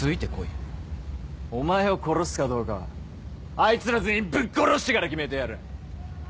お前を殺すかどうかはあいつら全員ぶっ殺してから決めてやる。